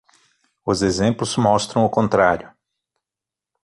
Os exemplos mostram o contrário.